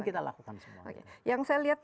ini kita lakukan semua oke yang saya lihat